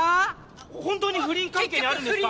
本当に不倫関係にあるんですか？